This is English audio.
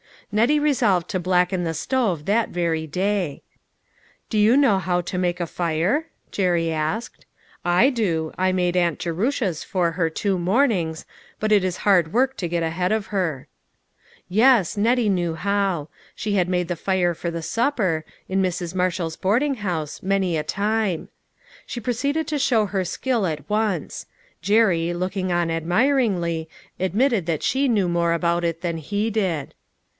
Nettie resolved to blacken the stove that very day. " Do you know how to make a fire ?" Jerry asked. "I do. I made aunt Jerusha's for her, two mornings, but it is hard work to get ahead of her." Yes, Nettie knew how. She had made the fire for the supper, in Mrs. Marshall's boarding house, many a time. She proceeded to show her skill at once ; Jerry, looking on admiringly, admitted that she knew more about it than he did.